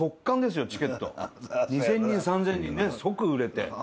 ２０００人３０００人ね即売れて。